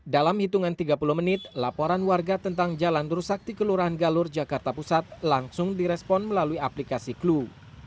dalam hitungan tiga puluh menit laporan warga tentang jalan tursakti kelurahan galur jakarta pusat langsung direspon melalui aplikasi clue